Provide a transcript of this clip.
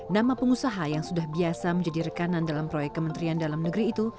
nama pengusaha yang sudah biasa menjadi rekanan dalam proyek kementerian dalam negeri itu